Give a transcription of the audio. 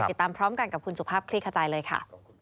ติดตามพร้อมกันกับคุณสุภาพคลี่ขจายเลยค่ะ